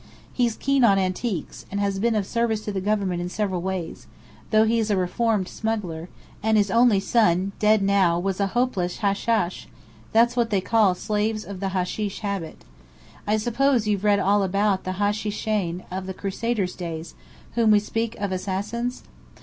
He's keen on antiquities, and has been of service to the government in several ways, though he's a reformed smuggler; and his only son, dead now, was a hopeless hashash; that's what they call slaves of the hasheesh habit. I suppose you've read all about the 'Hashashseyn' of the Crusaders' days, whom we speak of as Assassins?